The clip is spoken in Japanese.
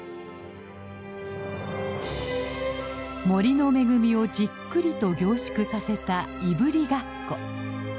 森の恵みをじっくりと凝縮させたいぶりがっこ。